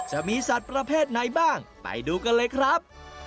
จะมีสัตว์ประเภทไหนบ้างไปดูกันเลยครับ